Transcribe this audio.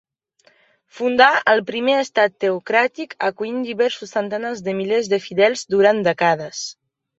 Fundà el primer estat teocràtic acollint diversos centenars de milers de fidels durant dècades.